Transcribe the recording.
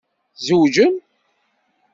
Tzewǧem?